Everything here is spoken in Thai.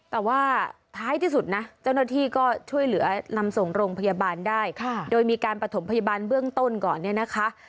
แต่ว่าท้ายที่สุดนะเจ้าหน้าที่ก็ช่วยเหลือนำส่งโรงพยาบาลได้โดยมีการประถมพยาบาลเบื้องต้นก่อนเนี่ยนะคะ